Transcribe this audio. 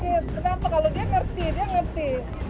kenapa kalau dia ngerti dia ngerti